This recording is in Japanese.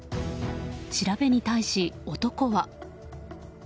調べに対し男は。